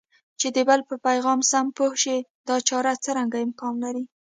چې د بل په پیغام سم پوه شئ دا چاره څرنګه امکان لري؟